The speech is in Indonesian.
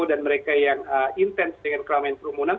dan mereka yang intens dengan kelamin perumunan